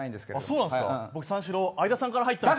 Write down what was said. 三四郎相田さんから入ったんだよ。